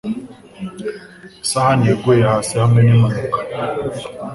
Isahani yaguye hasi hamwe nimpanuka.